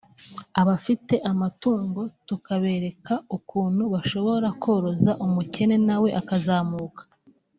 abafite amatungo tukabereka ukuntu bashobora koroza umukene na we akazamuka”